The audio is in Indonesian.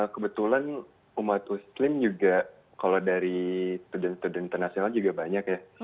kebetulan umat muslim juga kalau dari studen studen internasional juga banyak ya